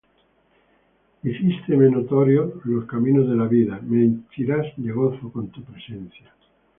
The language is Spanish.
Hicísteme notorios los caminos de la vida; Me henchirás de gozo con tu presencia.